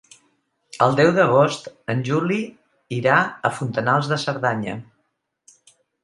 El deu d'agost en Juli irà a Fontanals de Cerdanya.